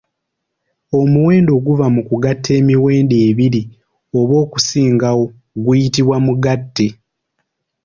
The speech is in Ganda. Omuwendo oguva mu kugatta emiwendo ebiri oba okusingawo guyitibwa Mugatte.